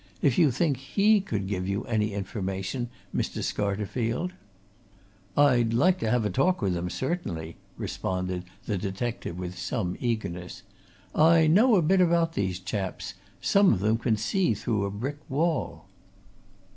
If you think he could give you any information, Mr. Scarterfield " "I'd like to have a talk with him, certainly," responded the detective, with some eagerness. "I know a bit about these chaps some of them can see through a brick wall!"